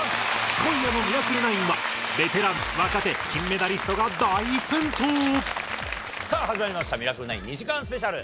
今夜の『ミラクル９』はベテラン若手金メダリストが大奮闘さあ始まりました『ミラクル９』２時間スペシャル。